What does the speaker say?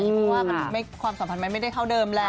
เพราะว่าความสัมพันธ์มันไม่ได้เท่าเดิมแหละ